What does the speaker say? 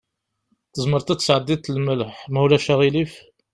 Tzemreḍ ad tesɛeddiḍ lmelḥ, ma ulac aɣilif?